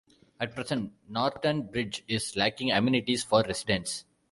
At present, Norton Bridge is lacking amenities for residents.